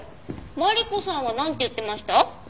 マリコさんはなんて言ってました？